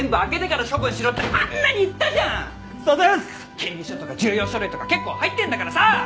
権利証とか重要書類とか結構入ってるんだからさ！